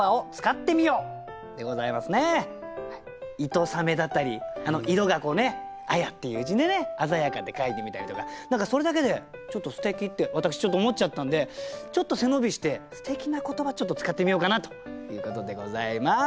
「糸雨」だったり「色」が「彩」っていう字でね「あざやか」って書いてみたりとか何かそれだけでちょっと素敵って私思っちゃったんでちょっと背伸びして素敵な言葉使ってみようかなということでございます。